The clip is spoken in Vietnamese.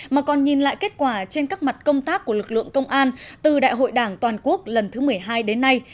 mà còn nhìn lại kết quả trên các mặt công tác của lực lượng công an từ đại hội đảng toàn quốc lần thứ một mươi hai đến nay